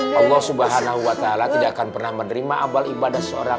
panggung subhanahuwata'ala tidak akan pernah menerima abal ibadah seorang